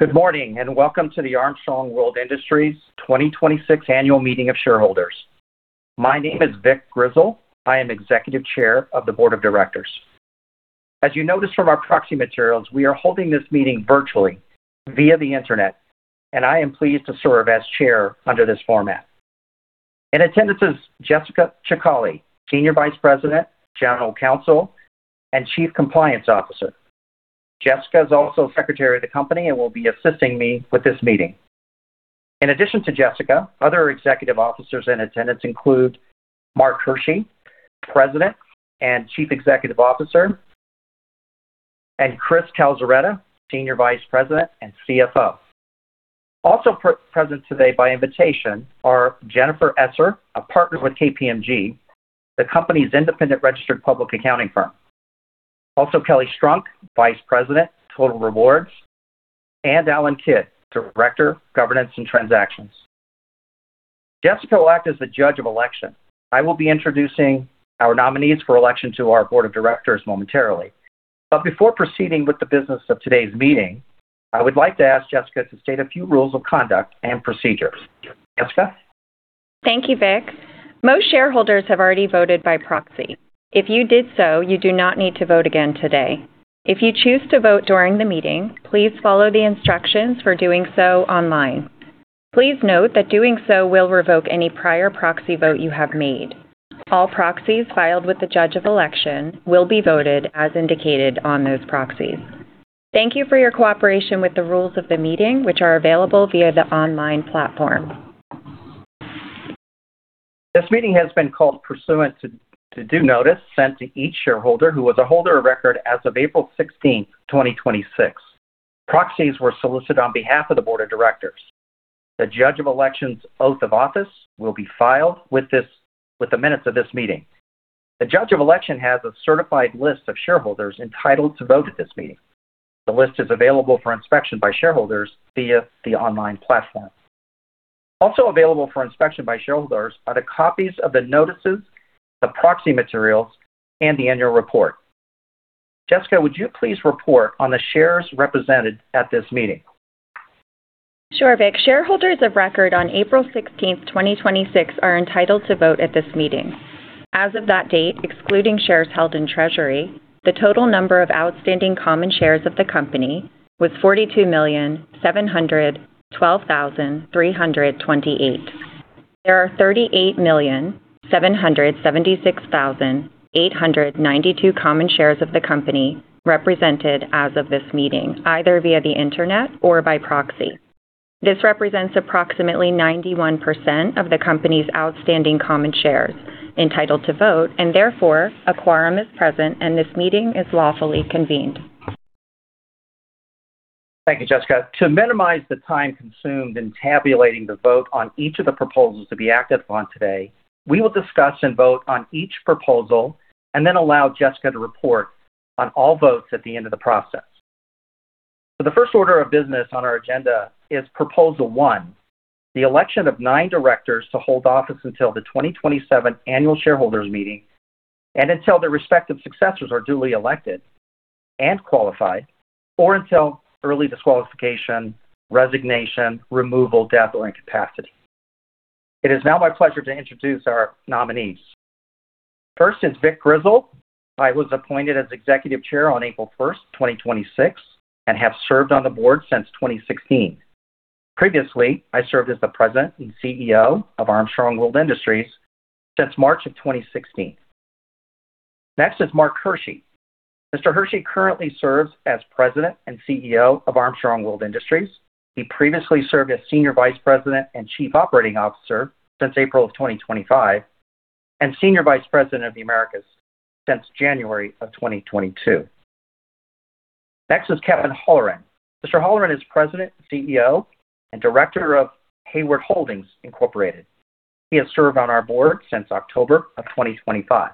Good morning, welcome to the Armstrong World Industries 2026 Annual Meeting of Shareholders. My name is Vic Grizzle. I am Executive Chair of the Board of Directors. As you notice from our proxy materials, we are holding this meeting virtually via the internet, and I am pleased to serve as Chair under this format. In attendance is Jessica Cicali, Senior Vice President, General Counsel, and Chief Compliance Officer. Jessica is also Secretary of the company and will be assisting me with this meeting. In addition to Jessica, other executive officers in attendance include Mark Hershey, President and Chief Executive Officer, and Chris Calzaretta, Senior Vice President and CFO. Also present today by invitation are Jennifer Esser, a Partner with KPMG, the company's Independent Registered Public Accounting Firm. Also Kelly Strunk, Vice President, Total Rewards, and Ellen Kidd, Director, Governance and Transactions. Jessica will act as the Judge of Election. I will be introducing our nominees for election to our Board of Directors momentarily. Before proceeding with the business of today's meeting, I would like to ask Jessica to state a few rules of conduct and procedures. Jessica? Thank you, Vic. Most shareholders have already voted by proxy. If you did so, you do not need to vote again today. If you choose to vote during the meeting, please follow the instructions for doing so online. Please note that doing so will revoke any prior proxy vote you have made. All proxies filed with the Judge of Election will be voted as indicated on those proxies. Thank you for your cooperation with the rules of the meeting, which are available via the online platform. This meeting has been called pursuant to due notice sent to each shareholder who was a holder of record as of April 16, 2026. Proxies were solicited on behalf of the Board of Directors. The Judge of Election's oath of office will be filed with the minutes of this meeting. The Judge of Election has a certified list of shareholders entitled to vote at this meeting. The list is available for inspection by shareholders via the online platform. Also available for inspection by shareholders are the copies of the notices, the proxy materials, and the annual report. Jessica, would you please report on the shares represented at this meeting? Sure, Vic. Shareholders of record on April 16th, 2026, are entitled to vote at this meeting. As of that date, excluding shares held in treasury, the total number of outstanding common shares of the company was 42,712,328. There are 38,776,892 common shares of the company represented as of this meeting, either via the internet or by proxy. This represents approximately 91% of the company's outstanding common shares entitled to vote, and therefore, a quorum is present, and this meeting is lawfully convened. Thank you, Jessica. To minimize the time consumed in tabulating the vote on each of the proposals to be acted upon today, we will discuss and vote on each proposal and then allow Jessica to report on all votes at the end of the process. The first order of business on our agenda is proposal one, the election of nine directors to hold office until the 2027 annual shareholders meeting and until their respective successors are duly elected and qualified, or until early disqualification, resignation, removal, death, or incapacity. It is now my pleasure to introduce our nominees. First is Vic Grizzle. I was appointed as Executive Chair on April 1st, 2026, and have served on the board since 2016. Previously, I served as the President and CEO of Armstrong World Industries since March of 2016. Next is Mark Hershey. Mr. Hershey currently serves as President and CEO of Armstrong World Industries. He previously served as Senior Vice President and Chief Operating Officer since April of 2025, and Senior Vice President of the Americas since January of 2022. Next is Kevin Holleran. Mr. Holleran is President, CEO, and Director of Hayward Holdings, Incorporated. He has served on our board since October of 2025.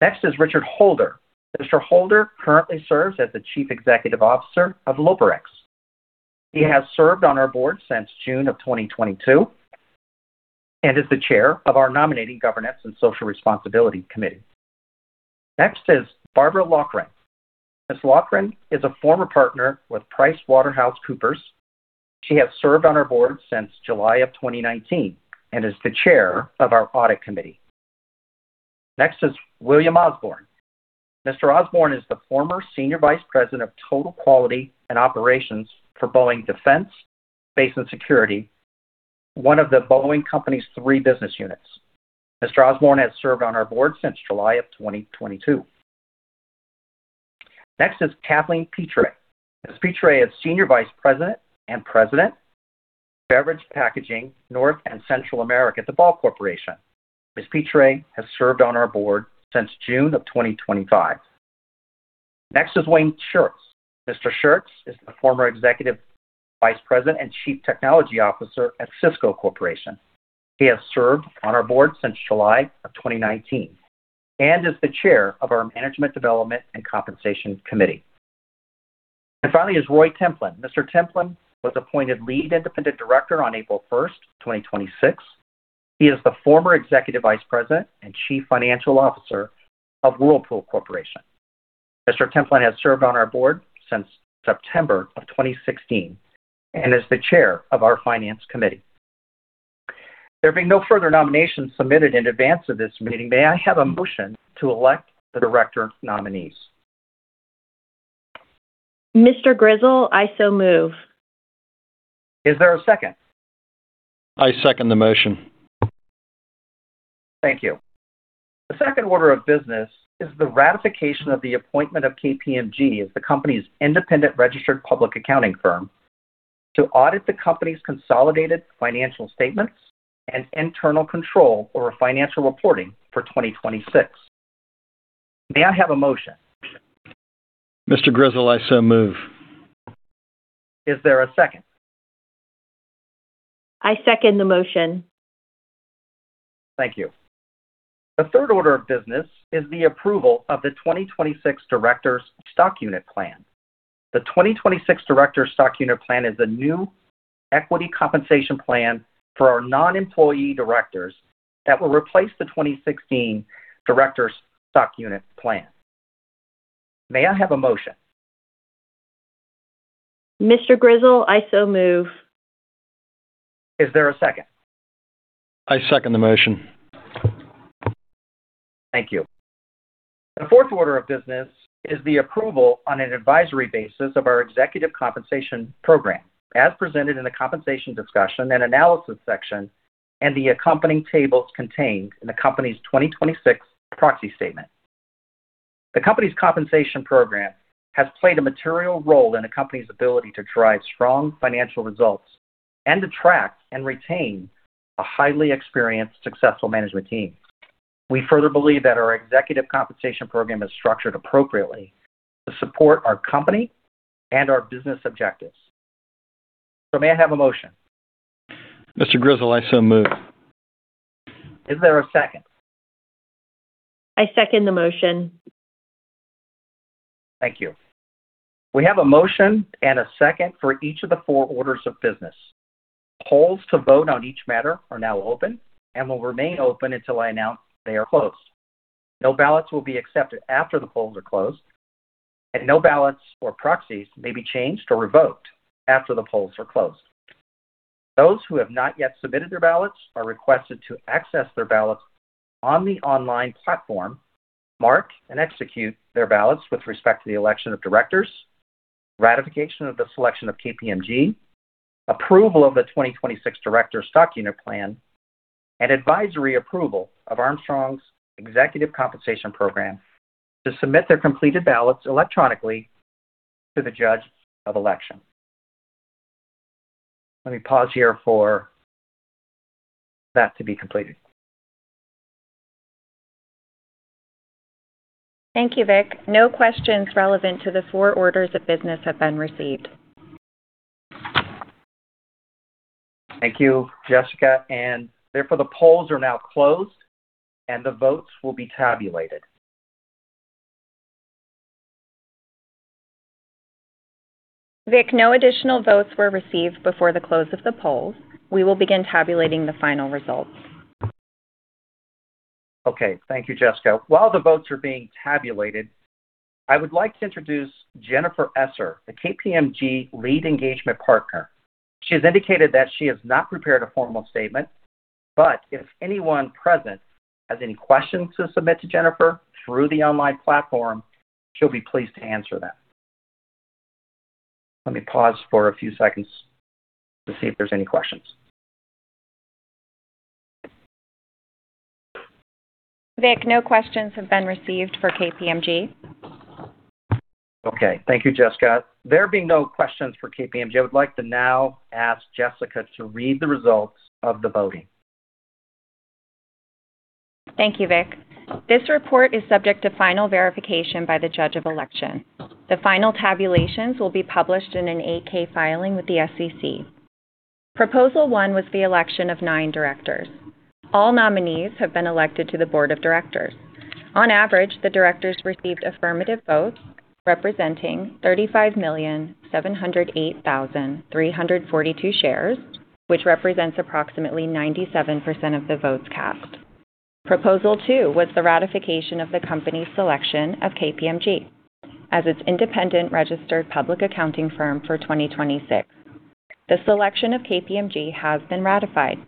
Next is Richard Holder. Mr. Holder currently serves as the Chief Executive Officer of Loparex. He has served on our board since June of 2022 and is the Chair of our Nominating, Governance, and Social Responsibility Committee. Next is Barbara Loughran. Ms. Loughran is a former partner with PricewaterhouseCoopers. She has served on our board since July of 2019 and is the chair of our audit committee. Next is William Osborne. Mr. Osborne is the former Senior Vice President of Total Quality and Operations for Boeing Defense, Space & Security, one of The Boeing Company's three business units. Mr. Osborne has served on our board since July of 2022. Next is Kathleen Pitre. Ms. Pitre is Senior Vice President and President, Beverage Packaging, North and Central America at Ball Corporation. Ms. Pitre has served on our board since June of 2025. Next is Wayne Shurts. Mr. Shurts is the former Executive Vice President and Chief Technology Officer at Cisco Systems, Inc. He has served on our board since July of 2019 and is the Chair of our Management Development and Compensation Committee. Finally is Roy Templin. Mr. Templin was appointed Lead Independent Director on April 1st, 2026. He is the former Executive Vice President and Chief Financial Officer of Whirlpool Corporation. Mr. Templin has served on our board since September of 2016 and is the chair of our finance committee. There being no further nominations submitted in advance of this meeting, may I have a motion to elect the director nominees? Mr. Grizzle, I so move. Is there a second? I second the motion. Thank you. The second order of business is the ratification of the appointment of KPMG as the company's independent registered public accounting firm to audit the company's consolidated financial statements and internal control over financial reporting for 2026. May I have a motion? Mr. Grizzle, I so move. Is there a second? I second the motion. Thank you. The third order of business is the approval of the 2026 Directors Stock Unit Plan. The 2026 Directors Stock Unit Plan is a new equity compensation plan for our non-employee directors that will replace the 2016 Directors Stock Unit Plan. May I have a motion? Mr. Grizzle, I so move. Is there a second? I second the motion. Thank you. The fourth order of business is the approval on an advisory basis of our executive compensation program, as presented in the compensation discussion and analysis section and the accompanying tables contained in the company's 2026 proxy statement. The company's compensation program has played a material role in the company's ability to drive strong financial results and attract and retain a highly experienced, successful management team. We further believe that our executive compensation program is structured appropriately to support our company and our business objectives. May I have a motion? Mr. Grizzle, I so move. Is there a second? I second the motion. Thank you. We have a motion and a second for each of the four orders of business. Polls to vote on each matter are now open and will remain open until I announce they are closed. No ballots will be accepted after the polls are closed, and no ballots or proxies may be changed or revoked after the polls are closed. Those who have not yet submitted their ballots are requested to access their ballots on the online platform, mark and execute their ballots with respect to the election of directors, ratification of the selection of KPMG, approval of the 2026 Directors Stock Unit Plan, and advisory approval of Armstrong's Executive Compensation Program, to submit their completed ballots electronically to the judge of election. Let me pause here for that to be completed. Thank you, Vic. No questions relevant to the four orders of business have been received. Thank you, Jessica, and therefore, the polls are now closed, and the votes will be tabulated. Vic, no additional votes were received before the close of the polls. We will begin tabulating the final results. Okay. Thank you, Jessica. While the votes are being tabulated, I would like to introduce Jennifer Esser, the KPMG lead engagement partner. She has indicated that she has not prepared a formal statement, but if anyone present has any questions to submit to Jennifer through the online platform, she'll be pleased to answer them. Let me pause for a few seconds to see if there's any questions. Vic, no questions have been received for KPMG. Okay. Thank you, Jessica. There being no questions for KPMG, I would like to now ask Jessica to read the results of the voting. Thank you, Vic. This report is subject to final verification by the judge of election. The final tabulations will be published in an 8-K filing with the SEC. Proposal one was the election of nine directors. All nominees have been elected to the board of directors. On average, the directors received affirmative votes representing 35,708,342 shares, which represents approximately 97% of the votes cast. Proposal two was the ratification of the company's selection of KPMG as its independent registered public accounting firm for 2026. The selection of KPMG has been ratified.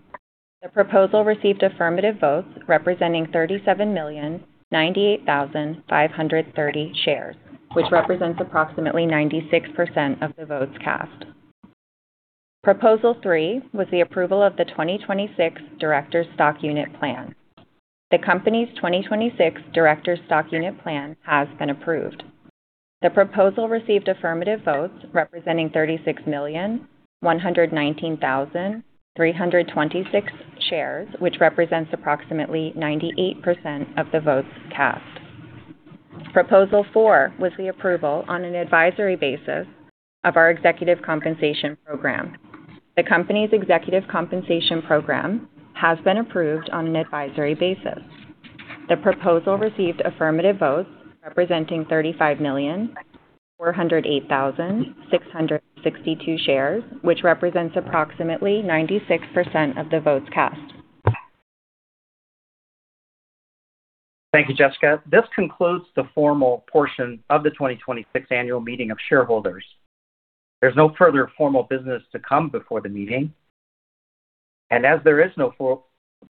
The proposal received affirmative votes representing 37,098,530 shares, which represents approximately 96% of the votes cast. Proposal three was the approval of the 2026 Directors Stock Unit Plan. The company's 2026 Directors Stock Unit Plan has been approved. The proposal received affirmative votes representing 36,119,326 shares, which represents approximately 98% of the votes cast. Proposal four was the approval on an advisory basis of our executive compensation program. The company's executive compensation program has been approved on an advisory basis. The proposal received affirmative votes representing 35,408,662 shares, which represents approximately 96% of the votes cast. Thank you, Jessica. This concludes the formal portion of the 2026 annual meeting of shareholders. There is no further formal business to come before the meeting, as there is no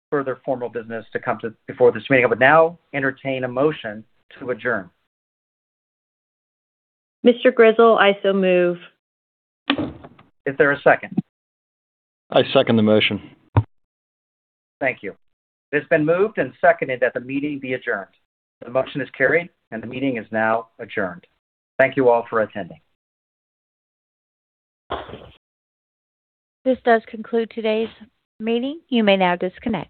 further formal business to come before this meeting, I would now entertain a motion to adjourn. Mr. Grizzle, I so move. Is there a second? I second the motion. Thank you. It has been moved and seconded that the meeting be adjourned. The motion is carried, and the meeting is now adjourned. Thank you all for attending. This does conclude today's meeting. You may now disconnect.